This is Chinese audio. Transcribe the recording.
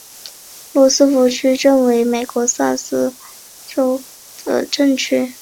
罗斯福镇区为美国堪萨斯州第开特县辖下的镇区。